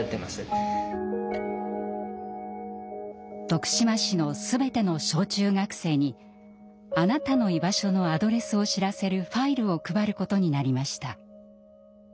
徳島市の全ての小中学生に「あなたのいばしょ」のアドレスを知らせるファイルを配ることになりました。